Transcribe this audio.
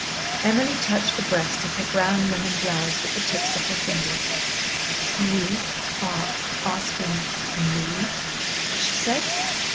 Emily touched the breast of her brown linen blouse with the tips of her fingers. "You are asking me?" she said.